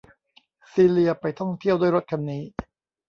ซีเลียไปท่องเที่ยวด้วยรถคันนี้